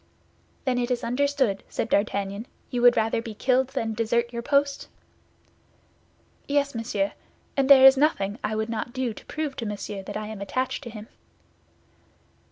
"Then it is understood," said D'Artagnan; "you would rather be killed than desert your post?" "Yes, monsieur; and there is nothing I would not do to prove to Monsieur that I am attached to him."